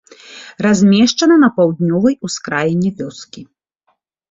Размешчана на паўднёвай ускраіне вёскі.